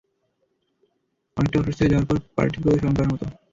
অনেকটা অসুস্থ হয়ে যাওয়ার পর পার্টির কথা স্মরণ করার মতো!